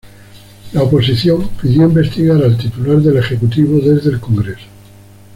La oposición pidió investigar al titular del ejecutivo desde el Congreso.